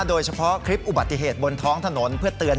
โดยเฉพาะคลิปอุบัติเขตบนท้องถนน